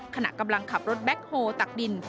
ขณะกำลังขับรถแบ็คโฮลตักดิน